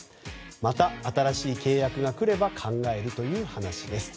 また新しい契約がくれば考えるという話です。